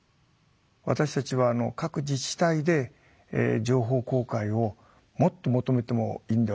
私たちは各自治体で情報公開をもっと求めてもいいんではないか。